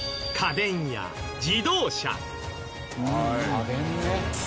家電ね。